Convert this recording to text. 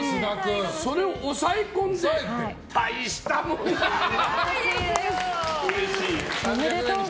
それを抑え込んで大したもんだね！